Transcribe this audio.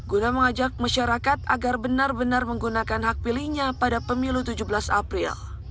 guna mengajak masyarakat agar benar benar menggunakan hak pilihnya pada pemilu tujuh belas april